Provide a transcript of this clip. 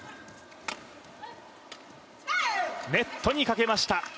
ネットにかけました。